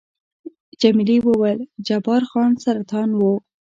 جميلې وويل:، جبار خان سرطان وو؟